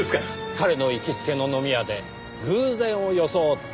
彼の行きつけの飲み屋で偶然を装って知り合い。